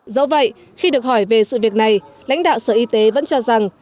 dẫu vậy khi được hỏi về sự việc này lãnh đạo sở y tế vẫn cho rằng